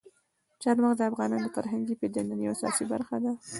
چار مغز د افغانانو د فرهنګي پیژندنې یوه اساسي برخه ده.